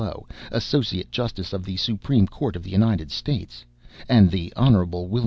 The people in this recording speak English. Low), Associate Justice of the Supreme Court of the United States, and Hon. Wm.